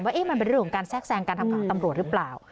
ว่ามันเป็นเรื่องของการแทรกแทรงการทำของตำรวจหรือเปล่า